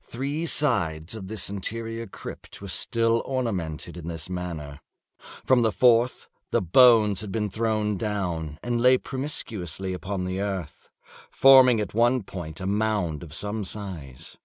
Three sides of this interior crypt were still ornamented in this manner. From the fourth the bones had been thrown down, and lay promiscuously upon the earth, forming at one point a mound of some size.